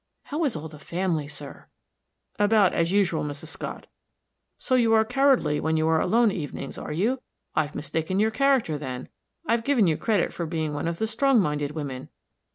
How is all the family, sir?" "About as usual, Mrs. Scott. So you are cowardly when you are alone evenings, are you? I've mistaken your character, then; I've given you credit for being one of the strong minded women."